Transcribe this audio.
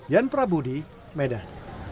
jan prabudi medan